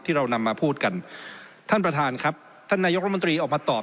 เรานำมาพูดกันท่านประธานครับท่านนายกรัฐมนตรีออกมาตอบ